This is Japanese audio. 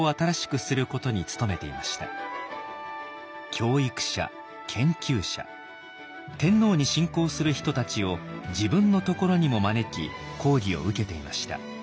教育者研究者天皇に進講する人たちを自分のところにも招き講義を受けていました。